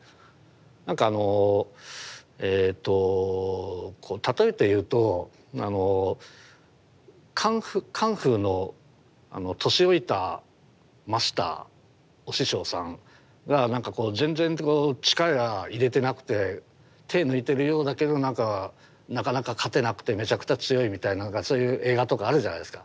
なんかあのえっと例えて言うとカンフーの年老いたマスターお師匠さんがなんかこう全然力入れてなくて手抜いてるようだけどなんかなかなか勝てなくてめちゃくちゃ強いみたいなそういう映画とかあるじゃないですか。